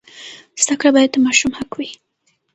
زده کړه باید د ماشوم حق وي.